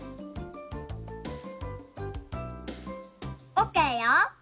オッケーよ。